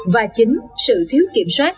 và chính sự thiếu kiểm soát